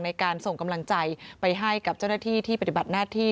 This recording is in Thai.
ในการส่งกำลังใจไปให้กับเจ้าหน้าที่ที่ปฏิบัติหน้าที่